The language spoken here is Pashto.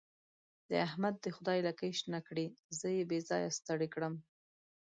د احمد دې خدای لکۍ شنه کړي؛ زه يې بې ځايه ستړی کړم.